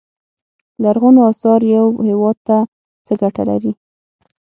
لرغونو اثار یو هیواد ته څه ګټه لري.